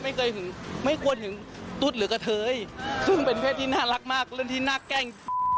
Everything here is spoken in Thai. ไม่เคยถึงไม่ควรหึงตุ๊ดหรือกระเทยซึ่งเป็นเพศที่น่ารักมากเรื่องที่น่าแกล้ง